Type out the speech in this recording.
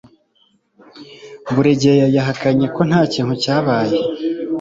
buregeya yahakanye ko nta kintu cyabaye